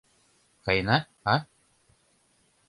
Каена, а?